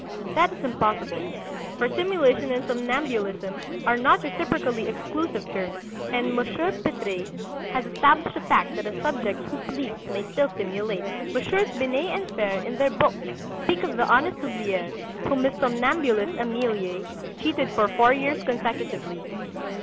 That is impossible, for simulation and somnambulism are not reciprocally exclusive terms, and Monsieur Pitres has established the fact that a subject who sleeps may still simulate." Messieurs Binet and Fere in their book speak of "the honest Hublier, whom his somnambulist Emelie cheated for four years consecutively."